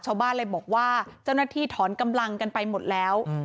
ชาวบ้านเลยบอกว่าเจ้าหน้าที่ถอนกำลังกันไปหมดแล้ว